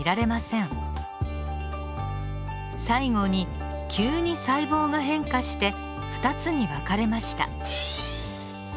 最後に急に細胞が変化して２つに分かれました。